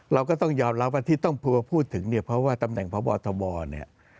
เราก็ต้องยอมรับว่าที่ต้องพัวพูดถึงเนี่ยเพราะว่าตำแหน่งพบทบเนี่ย